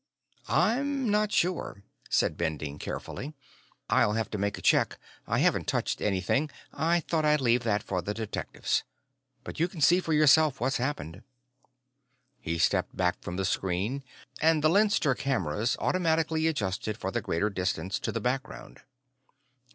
"I'm not sure," said Bending carefully. "I'll have to make a check. I haven't touched anything. I thought I'd leave that for the detectives. But you can see for yourself what's happened." He stepped back from the screen and the Leinster cameras automatically adjusted for the greater distance to the background.